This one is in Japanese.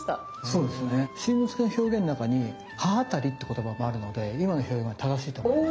そうですね新之助の表現の中に歯当たりって言葉もあるので今の表現が正しいと思いますね。